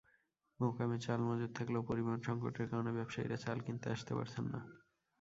মোকামে চাল মজুত থাকলেও পরিবহনসংকটের কারণে ব্যবসায়ীরা চাল কিনতে আসতে পারছেন না।